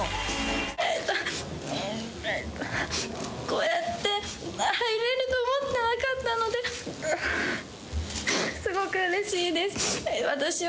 「えとえとこうやって入れると思ってなかったのですごくうれしいです」